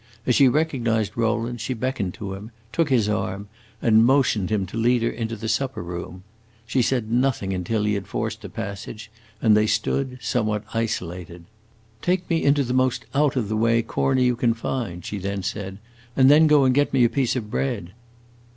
As she recognized Rowland she beckoned to him, took his arm, and motioned him to lead her into the supper room. She said nothing until he had forced a passage and they stood somewhat isolated. "Take me into the most out of the way corner you can find," she then said, "and then go and get me a piece of bread."